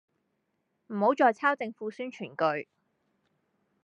唔好再抄政府宣傳句